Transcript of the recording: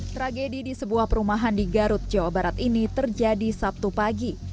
tragedi di sebuah perumahan di garut jawa barat ini terjadi sabtu pagi